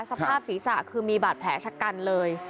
สภาพศีรษะคือมีบาดแผลชะกันเลย